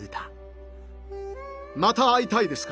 また会いたいですか？